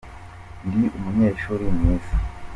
ndi umunyeshuri mwiza